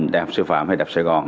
đại học sư phạm hay đại học sài gòn